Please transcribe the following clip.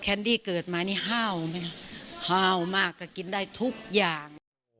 แคนดี้เกิดมานี่ห้าวมากก็กินได้ทุกอย่าง